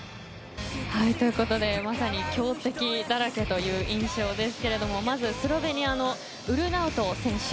まさに強敵だらけという印象ですがまずスロベニアのウルナウト選手。